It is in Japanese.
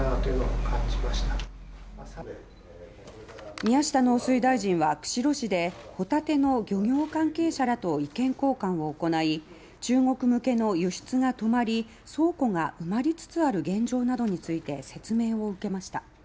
宮下農水大臣は釧路市でホタテの漁業関係者らと意見交換を行い中国向けの輸出が止まり倉庫が埋まりつつある現状などについて説明を受けました。